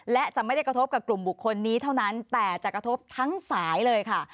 และจะไม่ได้กระทบกับกลุ่มบุคคลนี้เท่านั้นแต่จะกระทบทั้งสายเลยค่ะ